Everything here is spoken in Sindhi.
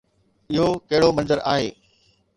اهو ڪهڙو منظر آهي؟